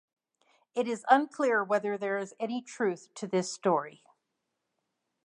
It is unclear whether there is any truth to this story.